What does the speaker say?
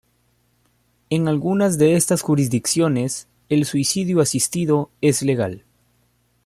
En algunas de estas jurisdicciones el suicidio asistido es legal.